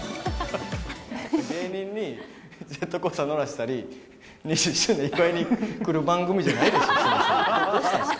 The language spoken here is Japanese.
芸人にジェットコースター乗らせたり、２０周年祝いに来る番組じゃないでしょ。